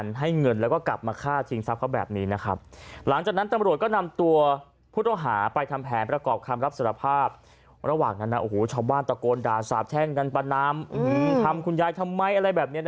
ประโกนด่าสาบแท่งกันปะน้ำอือหือทำคุณยายทำไมอะไรแบบเนี้ยนะฮะ